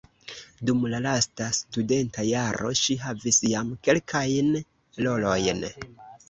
Dum la lasta studenta jaro ŝi havis jam kelkajn rolojn.